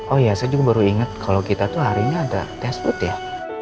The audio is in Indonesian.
oh iya saya juga baru ingat kalau kita tuh hari ini ada test food ya